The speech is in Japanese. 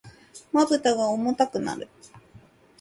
瞼が重くなる。